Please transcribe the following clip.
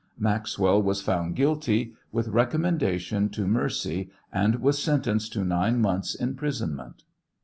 Maxwell was found guilty, with recomuiendatiou to mercy, and was sentenced to nine month's imprison ment.